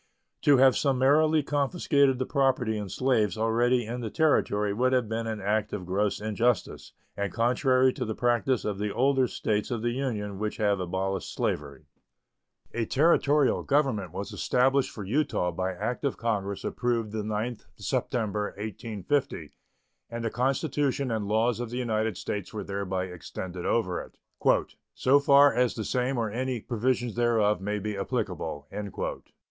To have summarily confiscated the property in slaves already in the Territory would have been an act of gross injustice and contrary to the practice of the older States of the Union which have abolished slavery. A Territorial government was established for Utah by act of Congress approved the 9th September, 1850, and the Constitution and laws of the United States were thereby extended over it "so far as the same or any provisions thereof may be applicable."